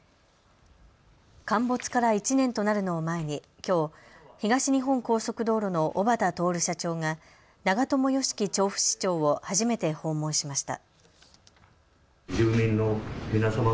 陥没から１年となるのを前にきょう東日本高速道路の小畠徹社長が長友貴樹調布市長を初めて訪問しました。